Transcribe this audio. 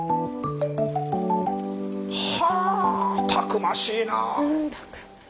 はたくましいな！